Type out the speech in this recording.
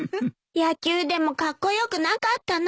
野球でもカッコ良くなかったな